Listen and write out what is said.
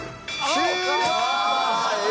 終了！